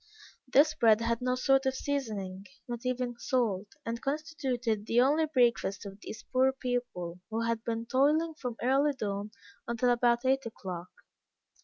This bread had no sort of seasoning, not even salt, and constituted the only breakfast of these poor people, who had been toiling from early dawn until about eight o'clock.